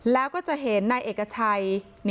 แล้วก็จะเห็นนายเอกชัย